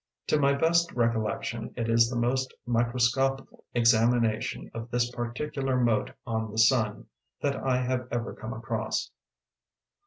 To my best recollection it is the most microscopical examination of this particular mote on the sun that I have ever come across.